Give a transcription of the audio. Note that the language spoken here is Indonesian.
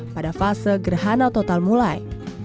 pada fase gerhana mulai